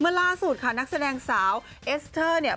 ล่าสุดค่ะนักแสดงสาวเอสเตอร์เนี่ย